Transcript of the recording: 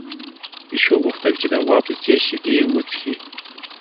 پيشو غوښتل چې د غوا په څېر شیدې وڅښي.